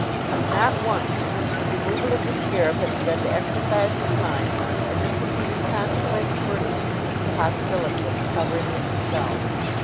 Not once since the removal of the scarab had begun to exercise his mind had Mr. Peters contemplated for an instant the possibility of recovering it himself.